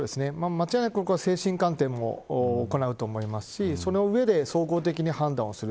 間違いなく精神鑑定を行うと思いますしその上で総合的に判断をする。